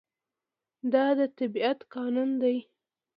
دا د طبيعت قانون دی.